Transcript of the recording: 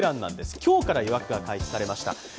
今日から予約が開始されました。